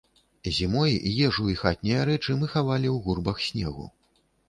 Зімой ежу і хатнія рэчы мы хавалі ў гурбах снегу.